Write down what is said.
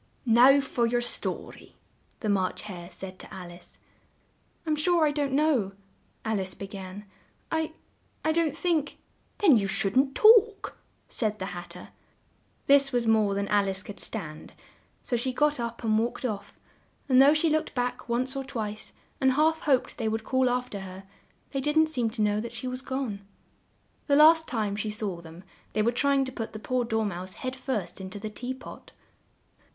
"Now, for your sto ry," the March Hare said to Al ice. "I'm sure I don't know," Alice be gan, "I I don't think " "Then you shouldn't talk," said the Hat ter. This was more than Al ice could stand; so she got up and walked off, and though she looked back once or twice and half hoped they would call af ter her, they didn't seem to know that she was gone. The last time she saw them, they were trying to put the poor Dor mouse head first in to the tea pot.